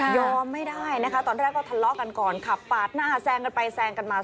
ไม่ได้นะคะตอนแรกก็ทะเลาะกันก่อนขับปาดหน้าแซงกันไปแซงกันมา